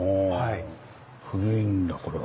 古いんだこれは。